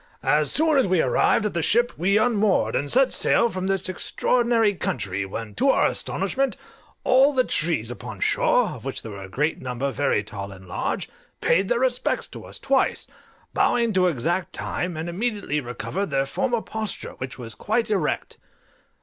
As soon as we arrived at the ship we unmoored, and set sail from this extraordinary country, when, to our astonishment, all the trees upon shore, of which there were a great number very tall and large, paid their respects to us twice, bowing to exact time, and immediately recovered their former posture, which was quite erect.